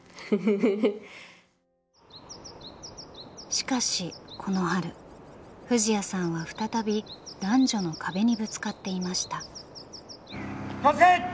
しかしこの春藤彌さんは再び男女の壁にぶつかっていました。